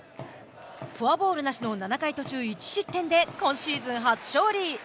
フォアボールなしの７回途中１失点で今シーズン初勝利。